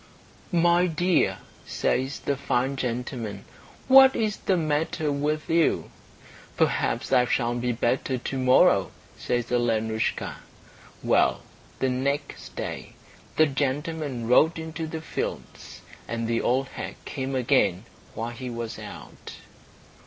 "My dear," says the fine gentleman, "what is the matter with you?" "Perhaps I shall be better to morrow," says Alenoushka. Well, the next day the gentleman rode into the fields, and the old hag came again while he was out.